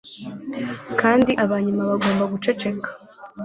Kandi aba nyuma bagomba guceceka